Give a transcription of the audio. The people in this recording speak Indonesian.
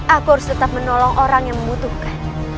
aku harus tetap menolong orang yang membutuhkan